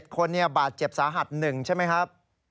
๒๗คนเนี่ยบาดเจ็บสาหัส๑ใช่ไหมครับ